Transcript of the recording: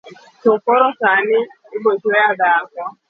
to koro sani ibochweya dhako